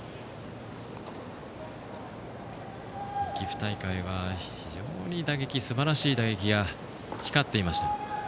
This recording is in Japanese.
岐阜大会は、非常にすばらしい打撃が光っていました。